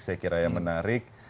saya kira ya menarik